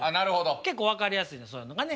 結構分かりやすいねんそういうのがね。